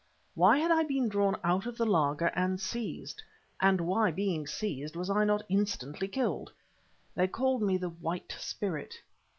Why had I been drawn out of the laager and seized, and why, being seized, was I not instantly killed? They called me the "White Spirit."